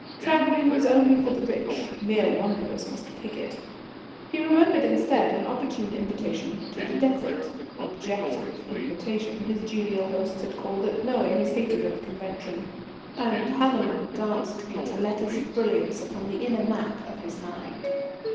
Travelling was only for the rich; mere wanderers must pig it. He remembered instead an opportune invitation to the Desert. "Objective" invitation, his genial hosts had called it, knowing his hatred of convention. And Helouan danced into letters of brilliance upon the inner map of his mind.